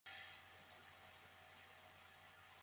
Kate ও সাইমনের জন্য।